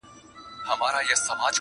جنازې ته به یې ولي په سروسترګو ژړېدلای -